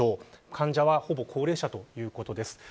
患者は、ほぼ高齢者ということです。